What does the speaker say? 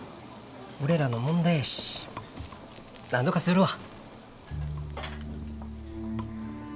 俺らの問題やしなんとかするわ。